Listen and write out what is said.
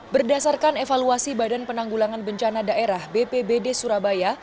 berdasarkan evaluasi badan penanggulangan bencana daerah bpbd surabaya